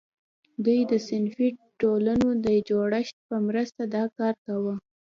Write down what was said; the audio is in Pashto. دوی د صنفي ټولنو د یو جوړښت په مرسته دا کار کاوه.